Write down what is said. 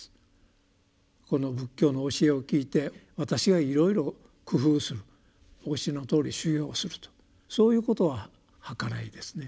この仏教の教えを聞いて私がいろいろ工夫するお教えのとおり修行をするとそういうことははからいですね。